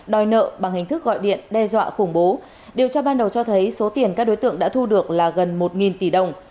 đòi nợ bằng hình thức gọi điện đe dọa khủng bố điều tra ban đầu cho thấy số tiền các đối tượng đã thu được là gần một tỷ đồng